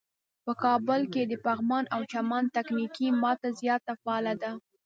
په کابل کې د پغمان او چمن تکتونیکی ماته زیاته فعاله ده.